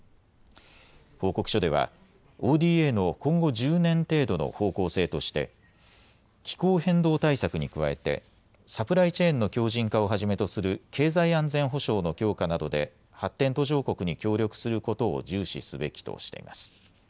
報告書ではＯＤＡの今後１０年程度の方向性として気候変動対策に加えてサプライチェーンの強じん化をはじめとする経済安全保障の強化などで発展途上国に協力することを重視すべきとしています。